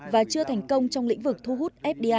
và chưa thành công trong lĩnh vực thu hút